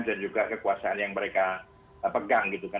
dan juga kekuasaan yang mereka pegang gitu kan